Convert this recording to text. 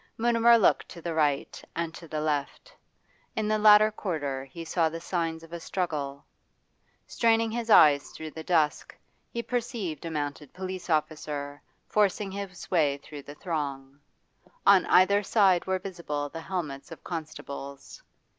Mutimer looked to the right and to the left. In the latter quarter he saw the signs of a struggle Straining his eyes through the dusk, he perceived a mounted police officer forcing his way through the throng; on either side were visible the helmets of constables.